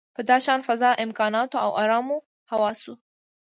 په داشان فضا، امکاناتو او ارامو حواسو.